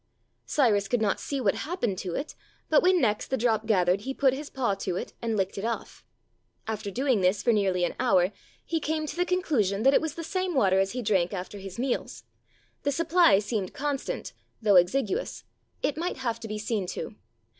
Cyrus could not see what happened to it, but when next the drop gathered he put his paw to it and licked it off. After doing this for nearly an hour he came to the con clusion that it was the same water as he drank after his meals. The supply seemed constant, though exiguous; ... it might have to be seen to.